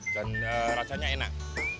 dan rasanya enak